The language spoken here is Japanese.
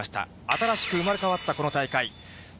新しく生まれ変わったこの大会。